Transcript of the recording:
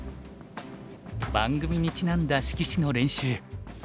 番組にちなんだ色紙の練習